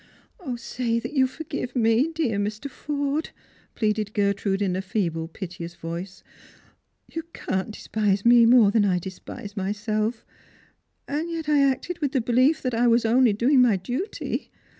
" Say that you forgive me, dear Mr. Forde/' pleaded Gertrude in a feeble piteous voice. " You can't despise me more than 1 despise myself, and yet I acted with the belief that I was only doing my duty.